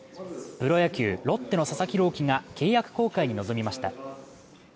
プロ野球、ロッテの佐々木朗希が契約更改に臨みました。